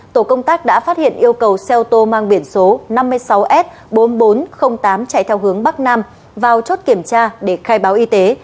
tổ công tác đã phát hiện yêu cầu xe ô tô mang biển số năm mươi sáu s bốn nghìn bốn trăm linh tám chạy theo hướng bắc nam vào chốt kiểm tra để khai báo y tế